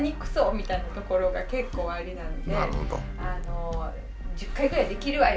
みたいなところが結構おありなんで「１０回ぐらいできるわよ」